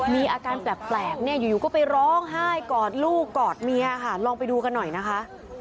มีอาการแปลกเนี่ยอยู่ก็ไปร้องไห้กอดลูกกอดเมียค่ะลองไปดูกันหน่อยนะคะ